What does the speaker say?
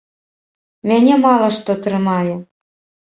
Мяне мала што трымае.